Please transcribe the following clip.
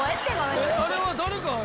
あれは誰が？